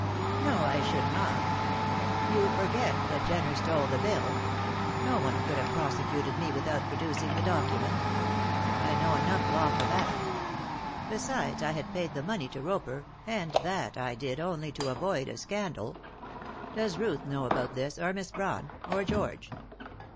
"No, I should not. You forget that Jenner stole the bill. No one could have prosecuted me without producing the document. I know enough law for that. Besides, I had paid the money to Roper, and that I did only to avoid a scandal. Does Ruth know about this, or Miss Brawn, or George?"